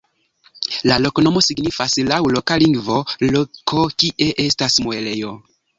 La loknomo signifas laŭ loka lingvo "loko kie estas muelejo".